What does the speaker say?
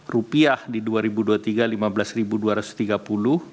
rupiah di dua ribu dua puluh tiga rp lima belas dua ratus tiga puluh